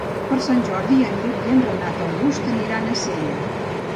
Per Sant Jordi en Lluc i en Renat August aniran a Sella.